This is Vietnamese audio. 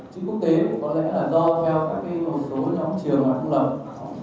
chức quốc tế có lẽ là do theo các hộp số trong các trường cũng lập